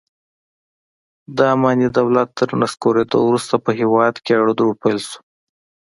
د اماني دولت تر نسکورېدو وروسته په هېواد کې اړو دوړ پیل شو.